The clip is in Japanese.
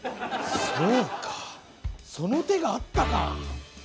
そうかその手があったか！